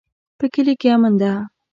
په کلي کې امن ده